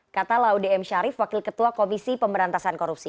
kata laudem syarif wakil ketua komisi pemberantasan korupsi